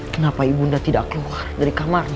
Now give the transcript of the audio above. kenapa ibu nda tidak keluar dari kamarnya